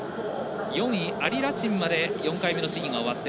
４位、アリ・ラチンまで４回目の試技が終わって